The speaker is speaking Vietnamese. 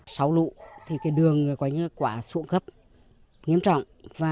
sáu lũ đường quả sụn gấp nghiêm trọng